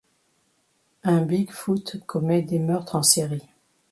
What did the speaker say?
Un bigfoot commet des meurtres en série.